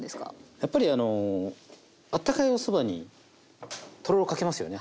やっぱりあのあったかいおそばにとろろかけますよね。